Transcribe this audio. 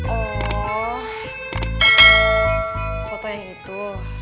oh foto yang itu